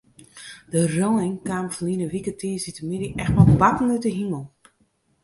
De rein kaam ferline wike tiisdeitemiddei echt mei bakken út de himel.